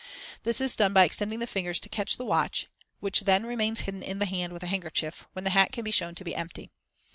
This is done by extending the fingers to catch the watch, which then remains hidden in the hand with the handkerchief, when the hat can be shown to be empty.